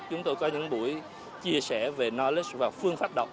chúng tôi có những buổi chia sẻ về nó và phương pháp đọc